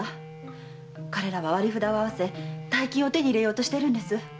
彼らは割り札を合わせ大金を手に入れようとしてるんです。